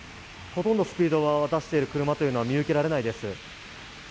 ほとんどスピードを出している車は見受けられないです。